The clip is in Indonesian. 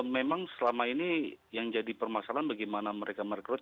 memang selama ini yang jadi permasalahan bagaimana mereka merekrut